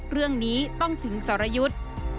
เรื่องนี้ต้องถึงสรยุทธ์